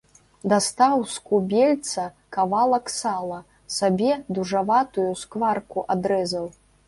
Дастаў з кубельца кавалак сала, сабе дужаватую скварку адрэзаў.